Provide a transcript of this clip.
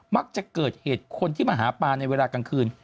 มักจะเกิดเหตุคนที่มาหาปลาในเวลากลางคืน